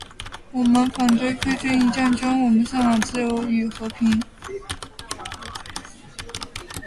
我们反对非正义战争，我们向往自由与和平